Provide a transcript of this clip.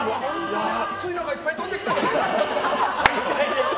熱いのがいっぱい飛んできました。